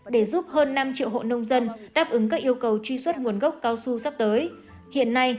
để giúp hơn năm triệu hộ nông dân đáp ứng các yêu cầu truy xuất nguồn gốc cao su sắp tới hiện nay